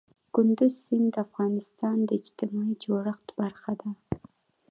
کندز سیند د افغانستان د اجتماعي جوړښت برخه ده.